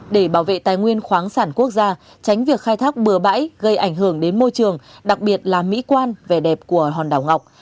để bảo vệ tài nguyên khoáng sản quốc gia tránh việc khai thác bừa bãi gây ảnh hưởng đến môi trường đặc biệt là mỹ quan về đẹp của hòn đảo ngọc